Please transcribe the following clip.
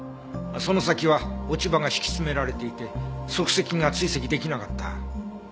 その先は落ち葉が敷き詰められていて足跡が追跡出来なかった。